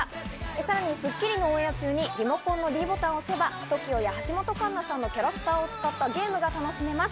さらに『スッキリ』のオンエア中にリモコンのｄボタンを押せば、ＴＯＫＩＯや橋本環奈さんのキャラクターを使ったゲームが楽しめます。